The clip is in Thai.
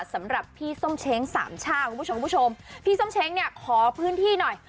สำหรับพี่ส้มเช้งสามช่าคุณผู้ชมคุณผู้ชมพี่ส้มเช้งเนี่ยขอพื้นที่หน่อย